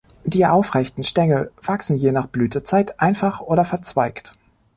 Die aufrechten Stängel wachsen je nach Blütezeit einfach oder verzweigt.